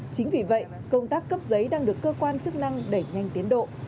chính vì vậy công tác cấp giấy đang được cơ quan chức năng đẩy nhanh tiến độ